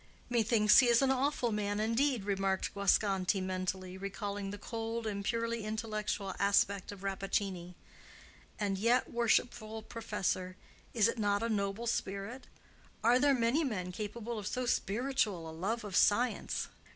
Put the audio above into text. "Methinks he is an awful man indeed," remarked Guasconti, mentally recalling the cold and purely intellectual aspect of Rappaccini. "And yet, worshipful professor, is it not a noble spirit? Are there many men capable of so spiritual a love of science?"